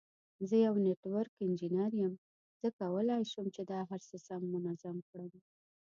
زه یو نټورک انجینیر یم، زه کولای شم چې دا هر څه سم منظم کړم.